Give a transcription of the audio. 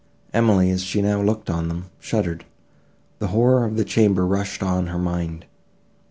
Emily, as she now looked on him, shuddered. The horror of the chamber rushed on her mind.